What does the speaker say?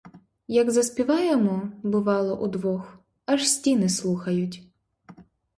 Як заспіваємо, бувало, удвох — аж стіни слухають.